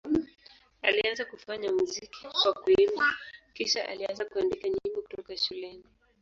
Alianza kufanya muziki kwa kuimba, kisha alianza kuandika nyimbo kutoka shuleni.